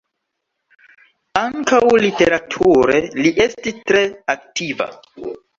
Ankaŭ literature li estis tre aktiva.